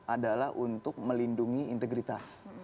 adalah untuk melindungi integritas